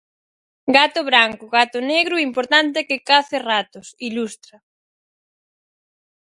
"Gato branco, gato negro, o importante é que cace ratos", ilustra.